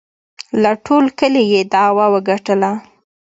له ټول کلي یې دعوه وگټله